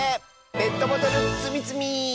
「ペットボトルつみつみ」！